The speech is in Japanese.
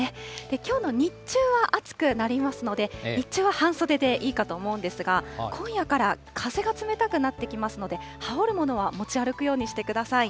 きょうの日中は暑くなりますので、日中は半袖でいいかと思うんですが、今夜から風が冷たくなってきますので、羽織るものは持ち歩くようにしてください。